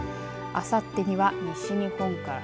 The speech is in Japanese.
あさってには西日本から